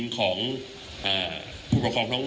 คุณผู้ชมไปฟังผู้ว่ารัฐกาลจังหวัดเชียงรายแถลงตอนนี้ค่ะ